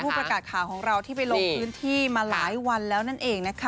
ประกาศข่าวของเราที่ไปลงพื้นที่มาหลายวันแล้วนั่นเองนะคะ